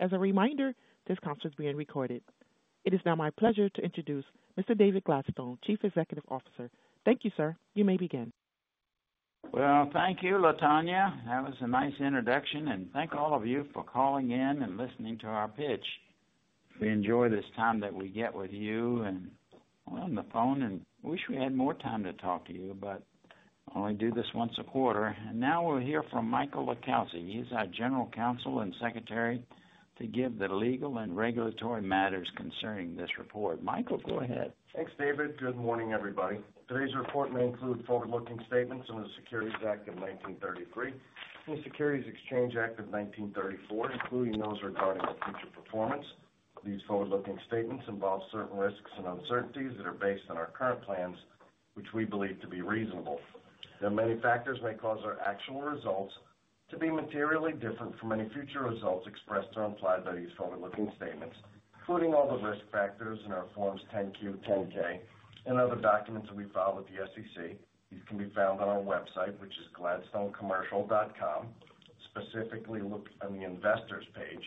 As a reminder, this conference is being recorded. It is now my pleasure to introduce Mr. David Gladstone, Chief Executive Officer. Thank you, sir. You may begin. Thank you, [Latonia]. That was a nice introduction, and thank all of you for calling in and listening to our pitch. We enjoy this time that we get with you and on the phone, and wish we had more time to talk to you, but only do this once a quarter. Now we'll hear from Michael LiCalsi. He's our General Counsel and Secretary to give the legal and regulatory matters concerning this report. Michael, go ahead. Thanks, David. Good morning, everybody. Today's report may include forward-looking statements under the Securities Act of 1933 and the Securities Exchange Act of 1934, including those regarding our future performance. These forward-looking statements involve certain risks and uncertainties that are based on our current plans, which we believe to be reasonable. There are many factors that may cause our actual results to be materially different from any future results expressed or implied by these forward-looking statements, including all the risk factors in our Forms 10-Q, 10-K, and other documents that we file with the SEC. These can be found on our website, which is gladstonecommercial.com. Specifically, look on the Investors page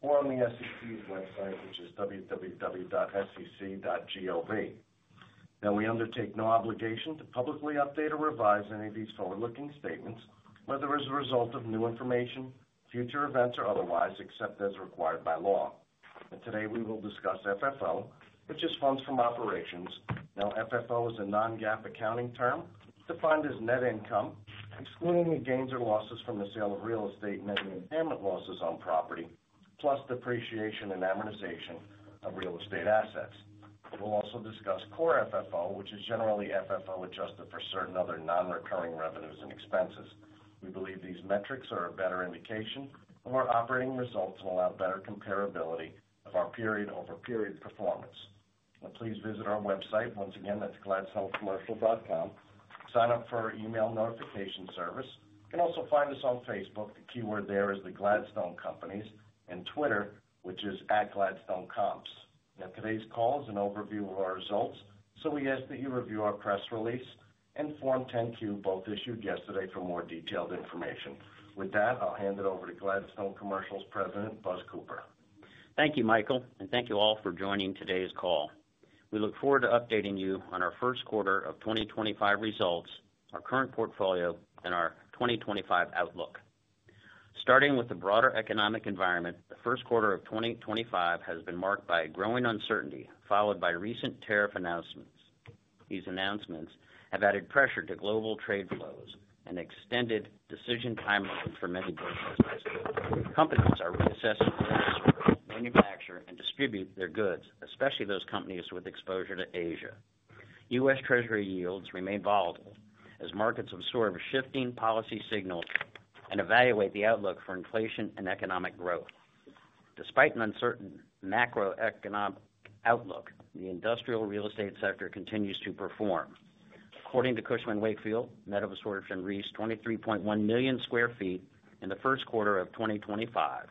or on the SEC's website, which is www.sec.gov. Now, we undertake no obligation to publicly update or revise any of these forward-looking statements, whether as a result of new information, future events, or otherwise, except as required by law. Today we will discuss FFO, which is funds from operations. Now, FFO is a non-GAAP accounting term defined as net income, excluding the gains or losses from the sale of real estate and any impairment losses on property, plus depreciation and amortization of real estate assets. We'll also discuss core FFO, which is generally FFO adjusted for certain other non-recurring revenues and expenses. We believe these metrics are a better indication of our operating results and allow better comparability of our period-over-period performance. Please visit our website once again. That's gladstonecommercial.com. Sign up for our email notification service. You can also find us on Facebook. The keyword there is the Gladstone Companies, and Twitter, which is @gladstonecomps. Today's call is an overview of our results, so we ask that you review our press release and Form 10-Q, both issued yesterday, for more detailed information. With that, I'll hand it over to Gladstone Commercial's President, Buzz Cooper. Thank you, Michael, and thank you all for joining today's call. We look forward to updating you on our first quarter of 2025 results, our current portfolio, and our 2025 outlook. Starting with the broader economic environment, the first quarter of 2025 has been marked by growing uncertainty followed by recent tariff announcements. These announcements have added pressure to global trade flows and extended decision timelines for many businesses. Companies are reassessing their disorder to manufacture and distribute their goods, especially those companies with exposure to Asia. U.S. Treasury yields remain volatile as markets absorb shifting policy signals and evaluate the outlook for inflation and economic growth. Despite an uncertain macroeconomic outlook, the industrial real estate sector continues to perform. According to Cushman & Wakefield, net absorption reached 23.1 million sq ft in the first quarter of 2025,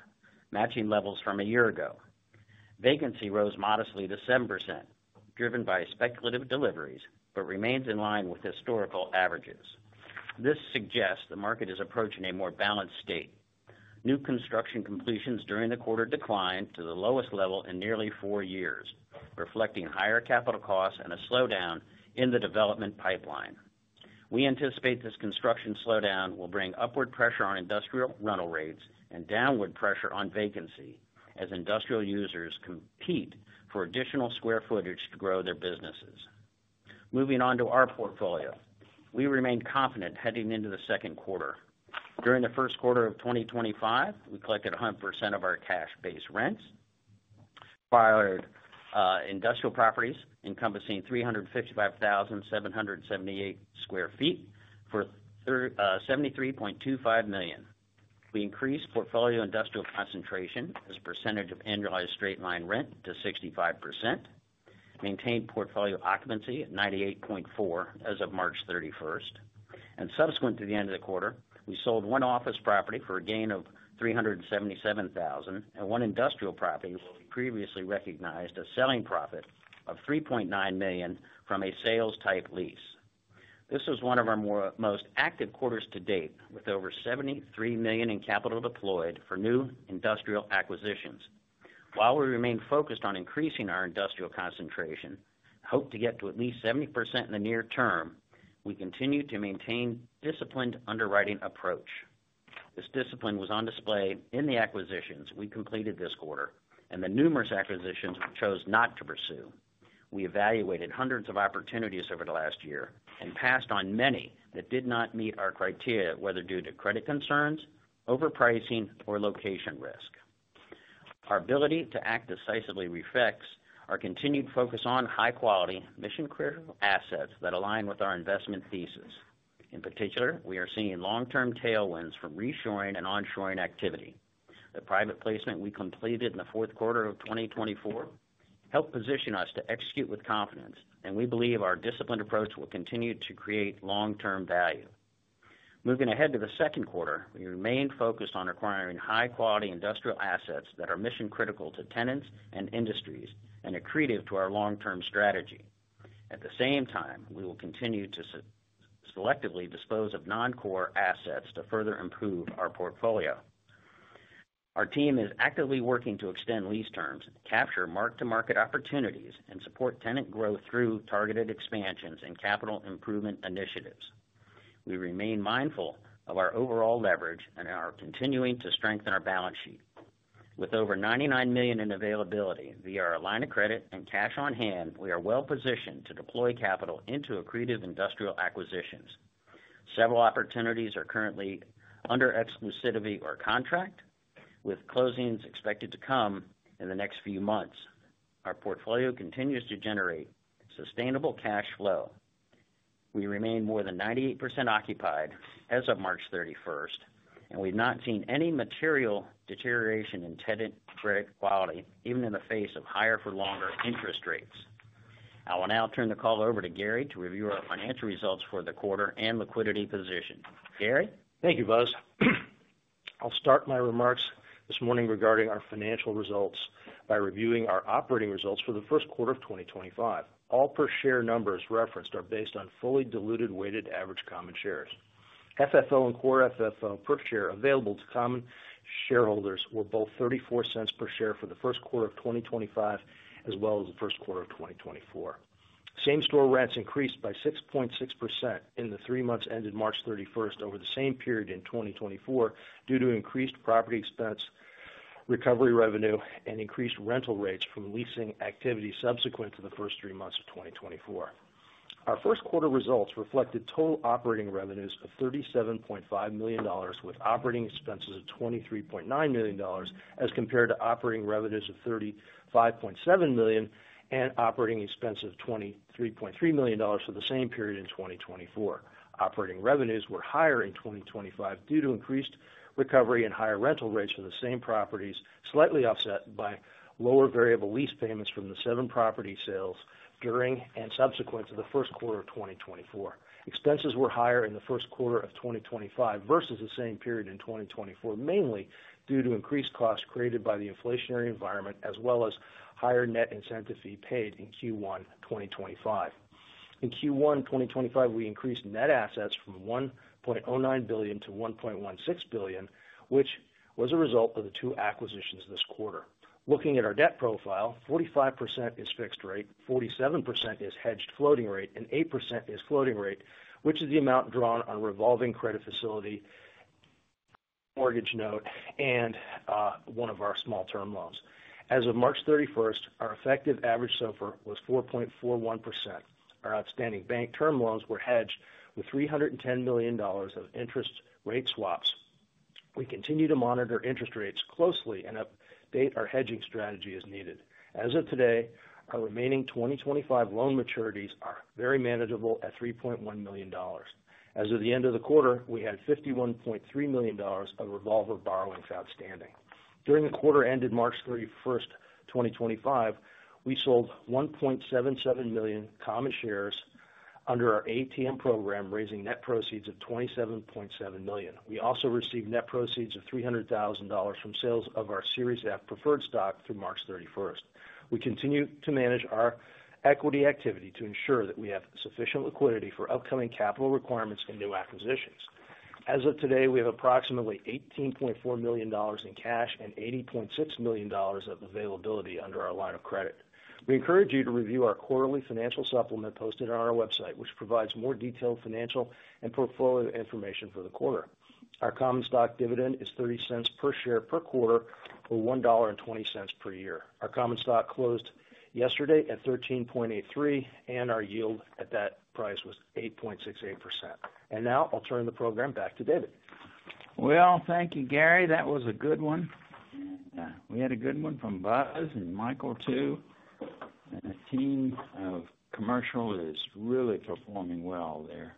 matching levels from a year ago. Vacancy rose modestly to 7%, driven by speculative deliveries, but remains in line with historical averages. This suggests the market is approaching a more balanced state. New construction completions during the quarter declined to the lowest level in nearly four years, reflecting higher capital costs and a slowdown in the development pipeline. We anticipate this construction slowdown will bring upward pressure on industrial rental rates and downward pressure on vacancy as industrial users compete for additional square footage to grow their businesses. Moving on to our portfolio, we remain confident heading into the second quarter. During the first quarter of 2025, we collected 100% of our cash-based rents, acquired industrial properties encompassing 355,778 sq ft for $73.25 million. We increased portfolio industrial concentration as a percentage of annualized straight-line rent to 65%, maintained portfolio occupancy at 98.4% as of March 31st. Subsequent to the end of the quarter, we sold one office property for a gain of $377,000, and one industrial property previously recognized a selling profit of $3.9 million from a sales-type lease. This was one of our most active quarters to date, with over $73 million in capital deployed for new industrial acquisitions. While we remain focused on increasing our industrial concentration and hope to get to at least 70% in the near term, we continue to maintain a disciplined underwriting approach. This discipline was on display in the acquisitions we completed this quarter, and the numerous acquisitions we chose not to pursue. We evaluated hundreds of opportunities over the last year and passed on many that did not meet our criteria, whether due to credit concerns, overpricing, or location risk. Our ability to act decisively reflects our continued focus on high-quality mission-critical assets that align with our investment thesis. In particular, we are seeing long-term tailwinds from reshoring and onshoring activity. The private placement we completed in the fourth quarter of 2024 helped position us to execute with confidence, and we believe our disciplined approach will continue to create long-term value. Moving ahead to the second quarter, we remain focused on acquiring high-quality industrial assets that are mission-critical to tenants and industries and accretive to our long-term strategy. At the same time, we will continue to selectively dispose of non-core assets to further improve our portfolio. Our team is actively working to extend lease terms, capture mark-to-market opportunities, and support tenant growth through targeted expansions and capital improvement initiatives. We remain mindful of our overall leverage and are continuing to strengthen our balance sheet. With over $99 million in availability via our line of credit and cash on hand, we are well-positioned to deploy capital into accretive industrial acquisitions. Several opportunities are currently under exclusivity or contract, with closings expected to come in the next few months. Our portfolio continues to generate sustainable cash flow. We remain more than 98% occupied as of March 31st, and we've not seen any material deterioration in tenant credit quality, even in the face of higher-for-longer interest rates. I will now turn the call over to Gary to review our financial results for the quarter and liquidity position. Gary? Thank you, Buzz. I'll start my remarks this morning regarding our financial results by reviewing our operating results for the first quarter of 2025. All per-share numbers referenced are based on fully diluted weighted average common shares. FFO and core FFO per share available to common shareholders were both $0.34 per share for the first quarter of 2025, as well as the first quarter of 2024. Same-store rents increased by 6.6% in the three months ended March 31st over the same period in 2024 due to increased property expense recovery revenue and increased rental rates from leasing activity subsequent to the first three months of 2024. Our first quarter results reflected total operating revenues of $37.5 million, with operating expenses of $23.9 million as compared to operating revenues of $35.7 million and operating expenses of $23.3 million for the same period in 2024. Operating revenues were higher in 2025 due to increased recovery and higher rental rates for the same properties, slightly offset by lower variable lease payments from the seven property sales during and subsequent to the first quarter of 2024. Expenses were higher in the first quarter of 2025 versus the same period in 2024, mainly due to increased costs created by the inflationary environment, as well as higher net incentive fee paid in Q1 2025. In Q1 2025, we increased net assets from $1.09 billion to $1.16 billion, which was a result of the two acquisitions this quarter. Looking at our debt profile, 45% is fixed rate, 47% is hedged floating rate, and 8% is floating rate, which is the amount drawn on a revolving credit facility, mortgage note, and one of our small-term loans. As of March 31st, our effective average SOFR was 4.41%. Our outstanding bank term loans were hedged with $310 million of interest rate swaps. We continue to monitor interest rates closely and update our hedging strategy as needed. As of today, our remaining 2025 loan maturities are very manageable at $3.1 million. As of the end of the quarter, we had $51.3 million of revolver borrowings outstanding. During the quarter ended March 31st, 2025, we sold 1.77 million common shares under our ATM program, raising net proceeds of $27.7 million. We also received net proceeds of $300,000 from sales of our Series F preferred stock through March 31st. We continue to manage our equity activity to ensure that we have sufficient liquidity for upcoming capital requirements and new acquisitions. As of today, we have approximately $18.4 million in cash and $80.6 million of availability under our line of credit. We encourage you to review our quarterly financial supplement posted on our website, which provides more detailed financial and portfolio information for the quarter. Our common stock dividend is $0.30 per share per quarter or $1.20 per year. Our common stock closed yesterday at $13.83, and our yield at that price was 8.68%. Now I'll turn the program back to David. Thank you, Gary. That was a good one. We had a good one from Buzz and Michael too. The team of Commercial is really performing well. They're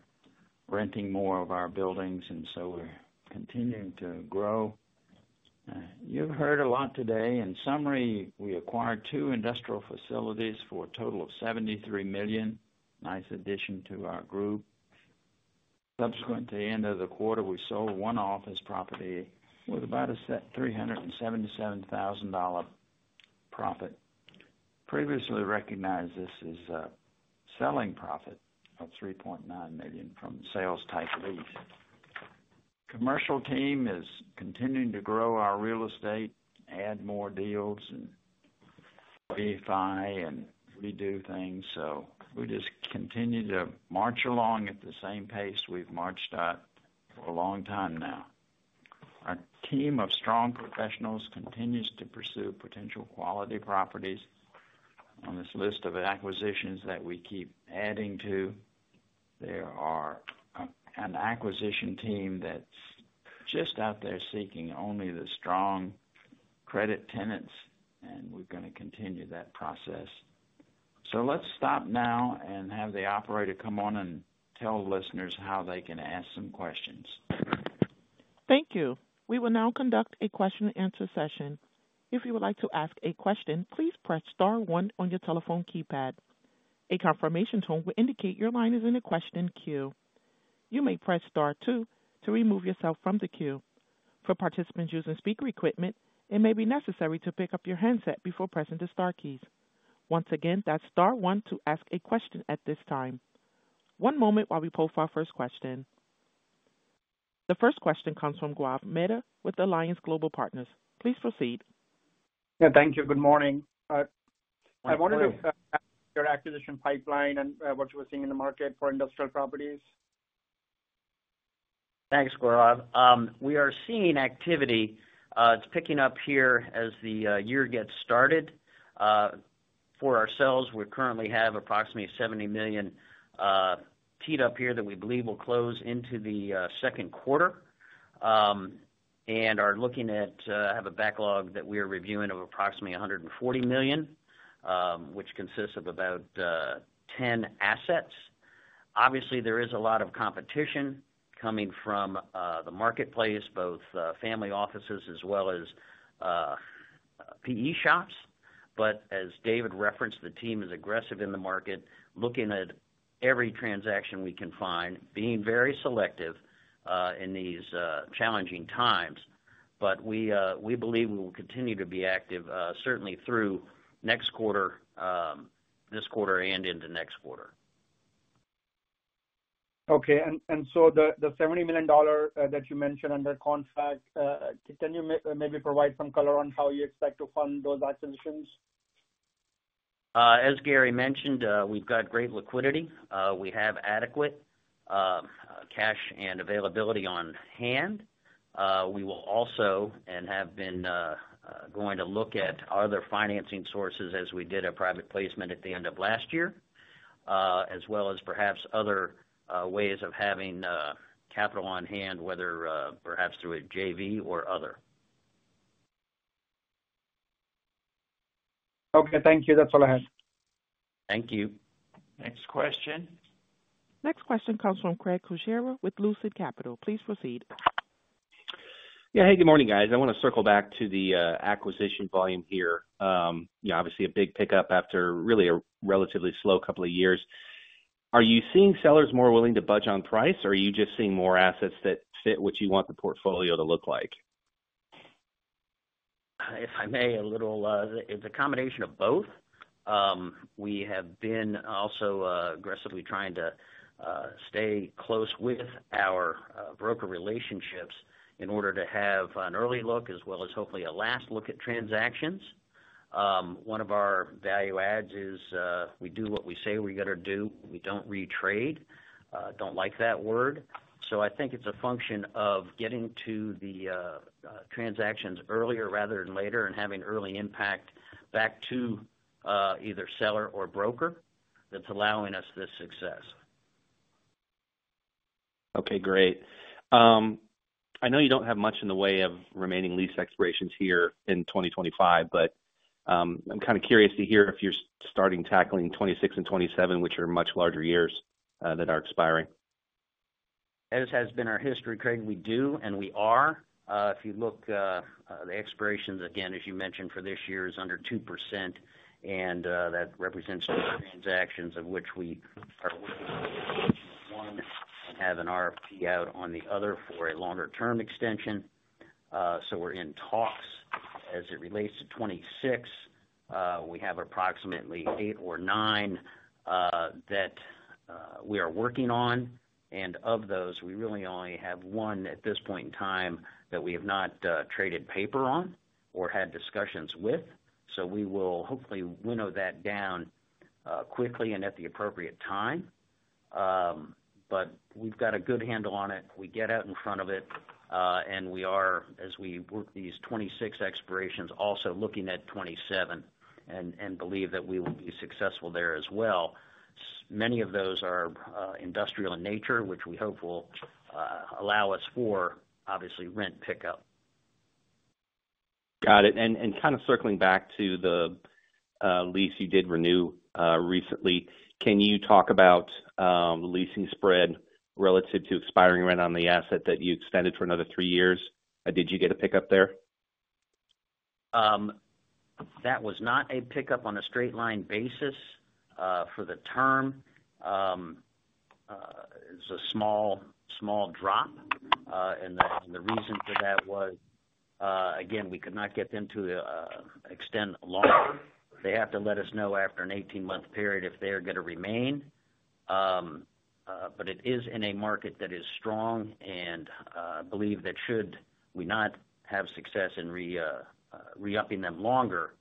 renting more of our buildings, and so we're continuing to grow. You've heard a lot today. In summary, we acquired two industrial facilities for a total of $73 million, a nice addition to our group. Subsequent to the end of the quarter, we sold one office property with about a $377,000 profit. Previously recognized this as a selling profit of $3.9 million from sales-type lease. Commercial team is continuing to grow our real estate, add more deals, and beef high and redo things. We just continue to march along at the same pace we've marched at for a long time now. Our team of strong professionals continues to pursue potential quality properties on this list of acquisitions that we keep adding to. There is an acquisition team that's just out there seeking only the strong credit tenants, and we're going to continue that process. Let's stop now and have the operator come on and tell listeners how they can ask some questions. Thank you. We will now conduct a question-and-answer session. If you would like to ask a question, please press star one on your telephone keypad. A confirmation tone will indicate your line is in a question queue. You may press star two to remove yourself from the queue. For participants using speaker equipment, it may be necessary to pick up your handset before pressing the star keys. Once again, that's star one to ask a question at this time. One moment while we post our first question. The first question comes from Gaurav Mehta with Alliance Global Partners. Please proceed. Yeah, thank you. Good morning. I wondered if your acquisition pipeline and what you were seeing in the market for industrial properties? Thanks, Gaurav. We are seeing activity. It's picking up here as the year gets started. For ourselves, we currently have approximately $70 million teed up here that we believe will close into the second quarter and are looking at a backlog that we are reviewing of approximately $140 million, which consists of about 10 assets. Obviously, there is a lot of competition coming from the marketplace, both family offices as well as PE shops. As David referenced, the team is aggressive in the market, looking at every transaction we can find, being very selective in these challenging times. We believe we will continue to be active, certainly through this quarter and into next quarter. Okay. And the $70 million that you mentioned under contract, can you maybe provide some color on how you expect to fund those acquisitions? As Gary mentioned, we've got great liquidity. We have adequate cash and availability on hand. We will also and have been going to look at other financing sources as we did a private placement at the end of last year, as well as perhaps other ways of having capital on hand, whether perhaps through a JV or other. Okay. Thank you. That's all I have. Thank you. Next question. Next question comes from Craig Kucera with Lucid Capital. Please proceed. Yeah. Hey, good morning, guys. I want to circle back to the acquisition volume here. Obviously, a big pickup after really a relatively slow couple of years. Are you seeing sellers more willing to budge on price, or are you just seeing more assets that fit what you want the portfolio to look like? If I may, a little, it's a combination of both. We have been also aggressively trying to stay close with our broker relationships in order to have an early look as well as hopefully a last look at transactions. One of our value adds is we do what we say we're going to do. We don't retrade. Don't like that word. I think it's a function of getting to the transactions earlier rather than later and having early impact back to either seller or broker that's allowing us this success. Okay. Great. I know you don't have much in the way of remaining lease expirations here in 2025, but I'm kind of curious to hear if you're starting tackling 2026 and 2027, which are much larger years that are expiring. As has been our history, Craig, we do, and we are. If you look, the expirations again, as you mentioned, for this year is under 2%, and that represents transactions of which we are working on one and have an RFP out on the other for a longer-term extension. We are in talks as it relates to 2026. We have approximately eight or nine that we are working on. Of those, we really only have one at this point in time that we have not traded paper on or had discussions with. We will hopefully winnow that down quickly and at the appropriate time. We have got a good handle on it. We get out in front of it, and we are, as we work these 2026 expirations, also looking at 2027 and believe that we will be successful there as well. Many of those are industrial in nature, which we hope will allow us for, obviously, rent pickup. Got it. Kind of circling back to the lease you did renew recently, can you talk about leasing spread relative to expiring rent on the asset that you extended for another three years? Did you get a pickup there? That was not a pickup on a straight-line basis for the term. It was a small drop. The reason for that was, again, we could not get them to extend longer. They have to let us know after an 18-month period if they're going to remain. It is in a market that is strong, and I believe that should we not have success in re-upping them longer,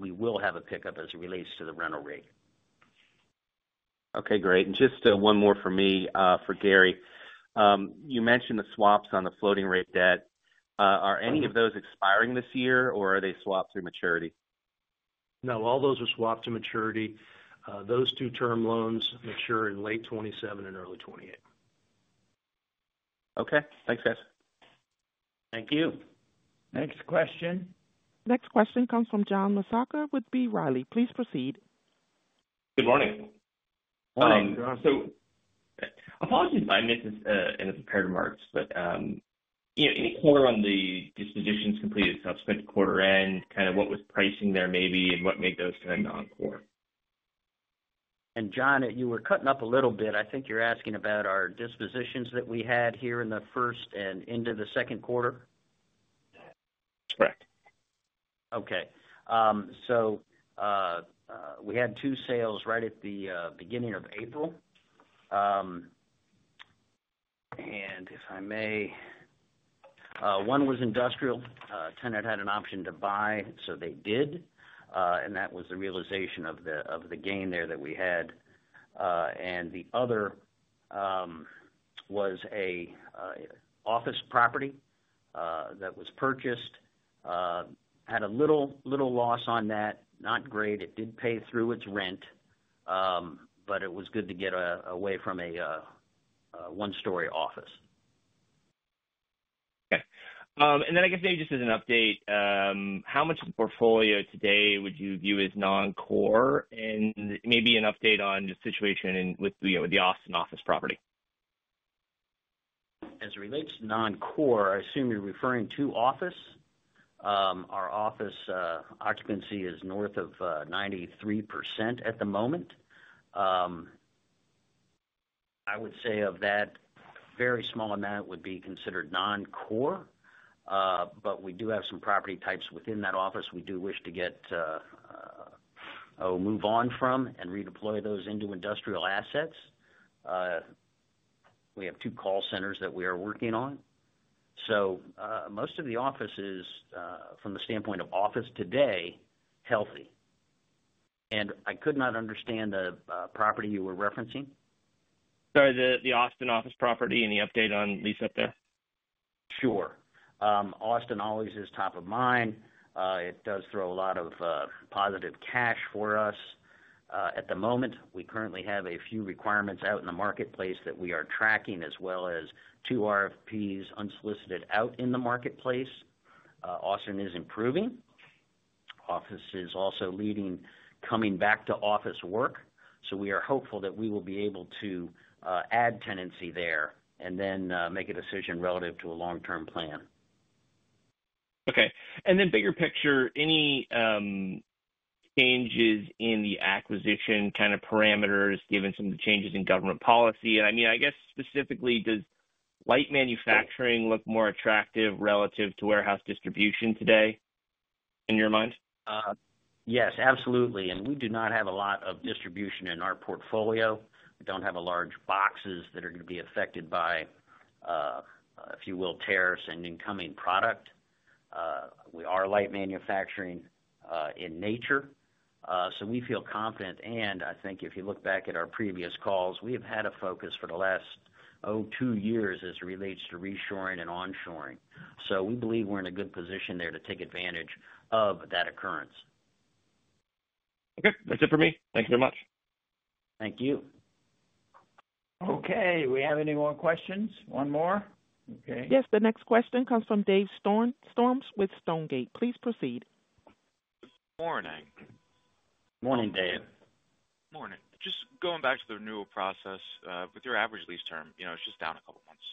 we will have a pickup as it relates to the rental rate. Okay. Great. Just one more for me, for Gary. You mentioned the swaps on the floating rate debt. Are any of those expiring this year, or are they swapped through maturity? No. All those are swapped to maturity. Those two term loans mature in late 2027 and early 2028. Okay. Thanks, guys. Thank you. Next question. Next question comes from John Massocca with B. Riley. Please proceed. Good morning. Morning, John. Apologies if I missed any of the parameters, but any color on the dispositions completed subsequent to quarter-end, kind of what was pricing there maybe and what made those kind of non-core? John, you were cutting up a little bit. I think you're asking about our dispositions that we had here in the first and into the second quarter. That's correct. Okay. We had two sales right at the beginning of April. If I may, one was industrial. Tenant had an option to buy, so they did. That was the realization of the gain there that we had. The other was an office property that was purchased, had a little loss on that, not great. It did pay through its rent, but it was good to get away from a one-story office. Okay. And then I guess maybe just as an update, how much of the portfolio today would you view as non-core? And maybe an update on the situation with the Austin Office property. As it relates to non-core, I assume you're referring to office. Our office occupancy is north of 93% at the moment. I would say of that, a very small amount would be considered non-core. We do have some property types within that office we do wish to get or move on from and redeploy those into industrial assets. We have two call centers that we are working on. Most of the office is, from the standpoint of office today, healthy. I could not understand the property you were referencing. Sorry, the Austin Office property and the update on lease up there? Sure. Austin always is top of mind. It does throw a lot of positive cash for us. At the moment, we currently have a few requirements out in the marketplace that we are tracking as well as two RFPs unsolicited out in the marketplace. Austin is improving. Office is also leading coming back to office work. We are hopeful that we will be able to add tenancy there and then make a decision relative to a long-term plan. Okay. And then bigger picture, any changes in the acquisition kind of parameters given some of the changes in government policy? I mean, I guess specifically, does light manufacturing look more attractive relative to warehouse distribution today in your mind? Yes, absolutely. We do not have a lot of distribution in our portfolio. We do not have large boxes that are going to be affected by, if you will, tariffs and incoming product. We are light manufacturing in nature. We feel confident. I think if you look back at our previous calls, we have had a focus for the last two years as it relates to reshoring and onshoring. We believe we are in a good position there to take advantage of that occurrence. Okay. That's it for me. Thank you very much. Thank you. Okay. Do we have any more questions? One more? Okay. Yes. The next question comes from Dave Storms with Stonegate. Please proceed. Morning. Morning, Dave. Morning. Just going back to the renewal process, with your average lease term, it's just down a couple of months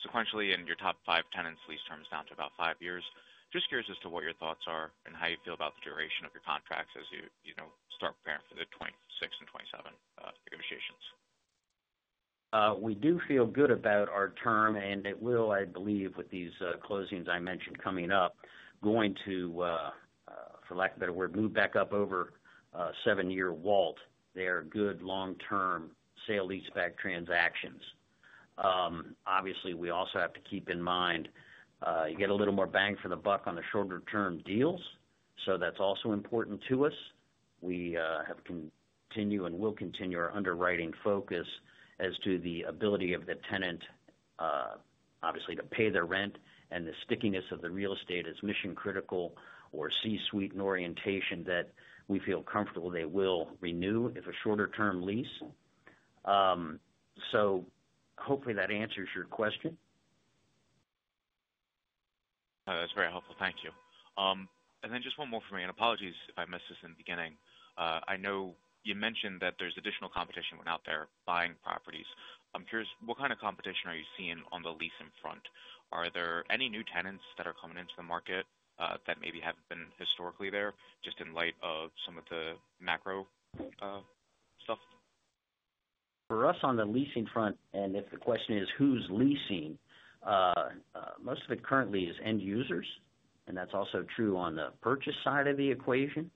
sequentially, and your top five tenants' lease term is down to about five years. Just curious as to what your thoughts are and how you feel about the duration of your contracts as you start preparing for the 2026 and 2027 negotiations. We do feel good about our term, and it will, I believe, with these closings I mentioned coming up, move back up over a seven-year wall. They are good long-term sale lease-back transactions. Obviously, we also have to keep in mind you get a little more bang for the buck on the shorter-term deals. That is also important to us. We have continued and will continue our underwriting focus as to the ability of the tenant, obviously, to pay their rent and the stickiness of the real estate as mission-critical or C-suite in orientation that we feel comfortable they will renew if a shorter-term lease. Hopefully that answers your question. That's very helpful. Thank you. Just one more for me, and apologies if I missed this in the beginning. I know you mentioned that there's additional competition out there buying properties. I'm curious, what kind of competition are you seeing on the lease in front? Are there any new tenants that are coming into the market that maybe haven't been historically there just in light of some of the macro stuff? For us on the leasing front, and if the question is who's leasing, most of it currently is end users, and that's also true on the purchase side of the equation.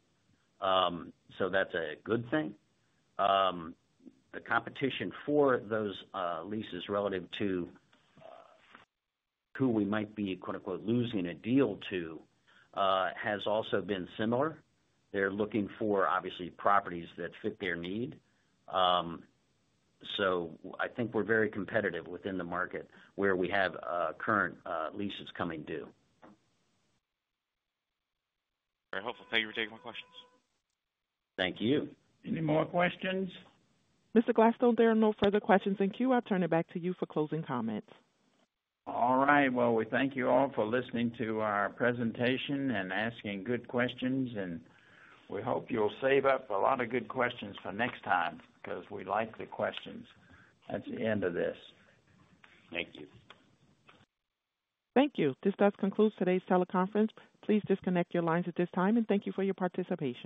That's a good thing. The competition for those leases relative to who we might be "losing a deal to" has also been similar. They're looking for, obviously, properties that fit their need. I think we're very competitive within the market where we have current leases coming due. Very helpful. Thank you for taking my questions. Thank you. Any more questions? Mr. Gladstone, there are no further questions in queue. I'll turn it back to you for closing comments. All right. We thank you all for listening to our presentation and asking good questions. We hope you'll save up a lot of good questions for next time because we like the questions at the end of this. Thank you. Thank you. This does conclude today's teleconference. Please disconnect your lines at this time, and thank you for your participation.